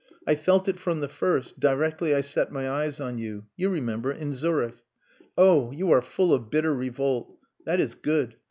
I felt it from the first, directly I set my eyes on you you remember in Zurich. Oh! You are full of bitter revolt. That is good.